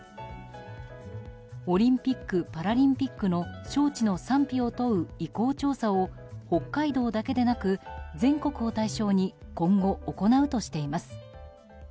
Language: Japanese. オリンピック・パラリンピックの招致の賛否を問う意向調査を北海道だけでなく全国を対象に今後、行うとしています。